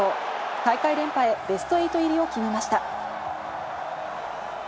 大会連覇へ、ベスト８入りを決めました。